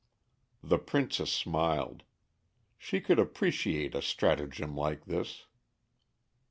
The Princess smiled. She could appreciate a stratagem like this.